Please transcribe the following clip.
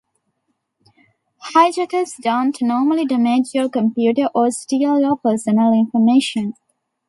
Hijackers don't normally damage your computer or steal your personal information.